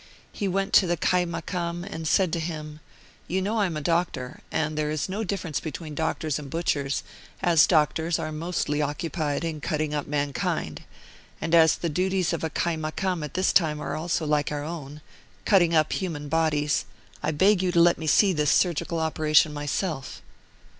He went to the Kaimakam and said to him :" You know I am a doctor, and there is no difference between doctors and butchers, as doctors are mostly occupied in cutting up mankind. And as the duties of a Kaimakam at this time are also like our own cutting up human bodies I beg you to let me see Martyred Armenia 35 this surgical operation myself."